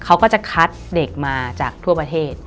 เขาก็จะคัดเด็กมาจากทั่วประเทศ